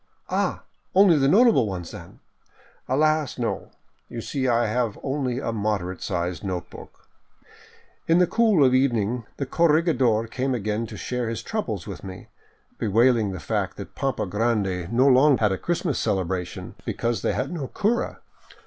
" Ah, only the notable ones, then ?"" Alas, no ; you see I have only a moderate sized note book." In the cool of evening the corregidor came again to share his troubles with me, bewailing the fact that Pampa Grande no longer 536 ON FOOT ACROSS TROPICAL BOLIVIA had a Christmas celebration, because they had no cura.